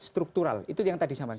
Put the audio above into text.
struktural itu yang tadi saya mas